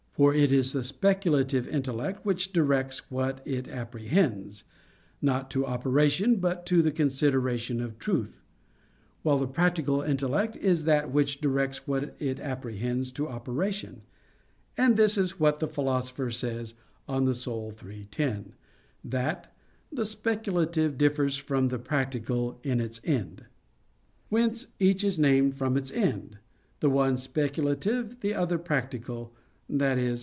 For it is the speculative intellect which directs what it apprehends, not to operation, but to the consideration of truth; while the practical intellect is that which directs what it apprehends to operation. And this is what the Philosopher says (De Anima iii, 10); that "the speculative differs from the practical in its end." Whence each is named from its end: the one speculative, the other practical i.e.